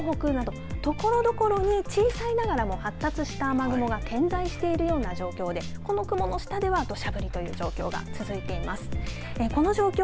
まだ、近畿もですし東海、関東、東北などところどころに小さいながらも発達した雨雲が点在しているような状況でこの雲の下では土砂降りという状況が続いています。